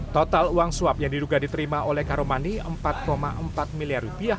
total uang suap yang diduga diterima oleh karomani rp empat empat miliar